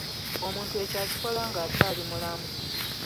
Omuntu ekyo akikola ng'akyali mulamu.